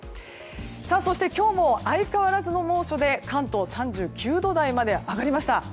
今日も相変わらずの猛暑で関東３９度台まで上がりました。